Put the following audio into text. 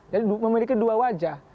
jadi memiliki dua wajah